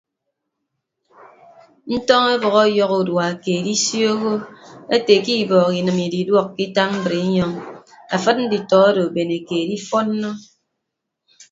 Ntọñ ebʌk ọyọhọ udua keed isioho ete ke ibọọk inịm ididuọk ke itak mbrinyọñ afịd nditọ odo bene keed ifọnnọ.